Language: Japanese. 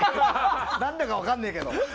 何でか分かんねえけど。